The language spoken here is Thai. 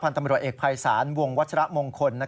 พันธุ์ตำรวจเอกไพรศาลวงวัชระมงคล